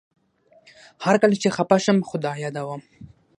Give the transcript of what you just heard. هر کله چي خپه شم خدای يادوم